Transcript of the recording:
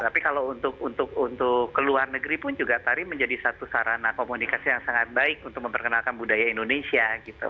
tapi kalau untuk ke luar negeri pun juga tari menjadi satu sarana komunikasi yang sangat baik untuk memperkenalkan budaya indonesia gitu